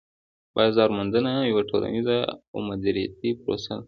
بازار موندنه یوه ټولنيزه او دمدریتی پروسه ده